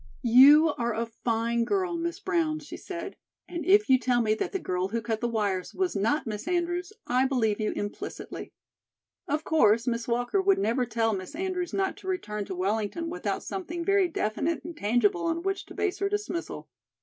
"You are a fine girl, Miss Brown," she said, "and if you tell me that the girl who cut the wires was not Miss Andrews, I believe you implicitly. Of course, Miss Walker would never tell Miss Andrews not to return to Wellington without something very definite and tangible on which to base her dismissal.